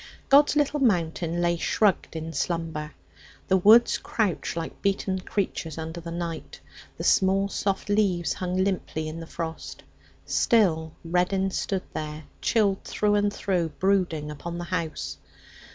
God's Little Mountain lay shrugged in slumber; the woods crouched like beaten creatures under the night; the small soft leaves hung limply in the frost. Still Reddin stood there, chilled through and through, brooding upon the house.